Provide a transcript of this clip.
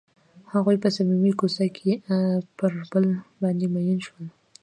هغوی په صمیمي کوڅه کې پر بل باندې ژمن شول.